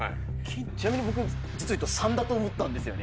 ちなみに僕実を言うと３だと思ったんですよね